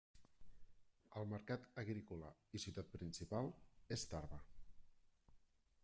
El mercat agrícola i ciutat principal és Tarba.